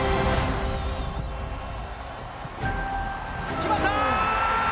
決まった！